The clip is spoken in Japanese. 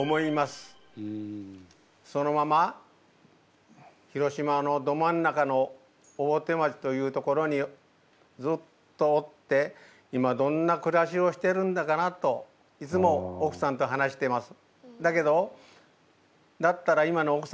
そのまま広島のど真ん中の大手町という所にずっとおって「今どんな暮らしをしてるんだかな」といつもおくさんと話してます。